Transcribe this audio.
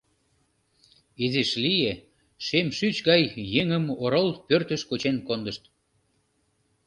Изиш лие — шем шӱч гай еҥым орол пӧртыш кучен кондышт.